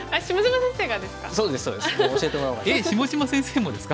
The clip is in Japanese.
えっ下島先生もですか？